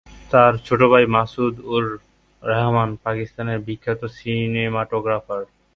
তার ছোট ভাই মাসুদ-উর-রেহমান পাকিস্তানের বিখ্যাত সিনেমাটগ্রাফার।